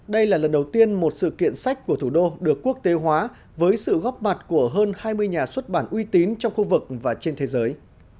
đây là lần đầu tiên một sự kiện sách của thủ đô được quốc tế hóa với sự góp mặt của hơn hai mươi nhà xuất bản uy tín trong khu vực và trên thế giới